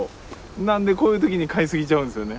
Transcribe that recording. なんでこういう時に買い過ぎちゃうんですよね。